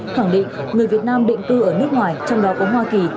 khẳng định người việt nam định cư ở nước ngoài trong đó có hoa kỳ